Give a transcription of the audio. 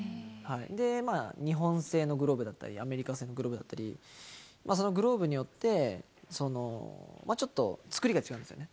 日本製のグローブだったり、アメリカ製のグローブだったり、そのグローブによって、ちょっと作りが違うんですよね。